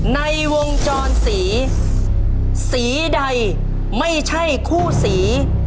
ในวงจรสีสีใดไม่ใช่คู่สี